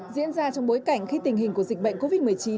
diễn ra trong bối cảnh khi tình hình của dịch bệnh covid một mươi chín